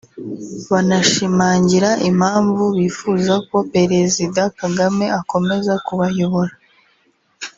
banashimangira impamvu bifuza ko Perezida Kagame yakomeza kubayobora